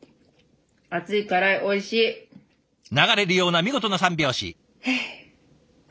流れるような見事な三拍子。